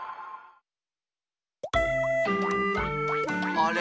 あれ？